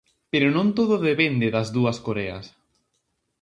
Pero non todo depende das dúas Coreas.